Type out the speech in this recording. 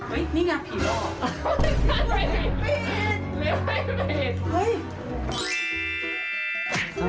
เฮ้ยนี่ไงพี่ฟอร์